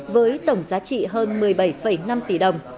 với tổng giá trị hơn một mươi bảy năm tỷ đồng